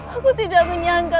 aku tidak menyangka